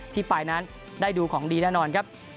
ที่ไปนั้นได้ดูของดีแน่นอนครับ